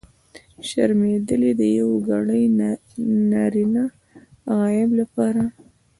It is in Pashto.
شرمېدلی! د یوګړي نرينه غایب لپاره.